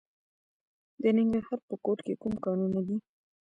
د ننګرهار په کوټ کې کوم کانونه دي؟